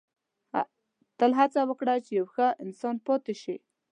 • تل هڅه وکړه چې یو ښه انسان پاتې شې.